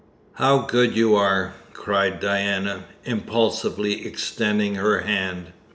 "How good you are!" cried Diana, impulsively extending her hand.